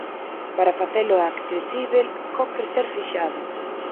Para facelo accesíbel cómpre ser fixado.